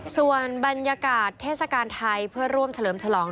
ส่วนบรรยากาศเทศกาลไทยเพื่อร่วมเฉลิมฉลอง